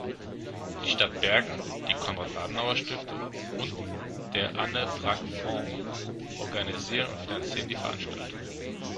Die Stadt Bergen, die Konrad-Adenauer-Stiftung und der Anne-Frank-Fonds organisieren und finanzieren die Veranstaltung.